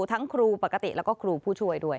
ทั้งครูปกติแล้วก็ครูผู้ช่วยด้วย